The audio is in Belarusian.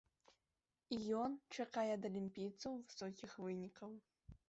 І ён чакае ад алімпійцаў высокіх вынікаў.